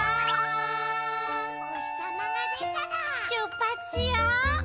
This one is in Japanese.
おひさまがでたらしゅっぱつしよう！